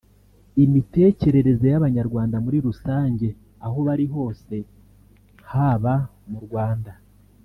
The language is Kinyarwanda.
imitekerereze y’abanyarwanda muri rusange aho bari hose haba mu Rwanda